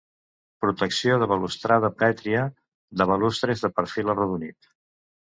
Protecció de balustrada pètria de balustres de perfil arrodonit.